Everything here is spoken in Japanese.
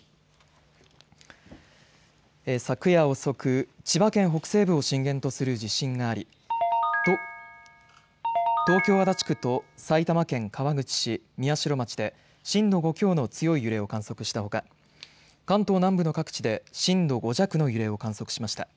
昨夜遅く、千葉県北西部を震源とする地震があり東京足立区と埼玉県川口市、宮代町で震度５強の強い揺れを観測したほか、関東南部の各地で震度５弱の揺れを観測しました。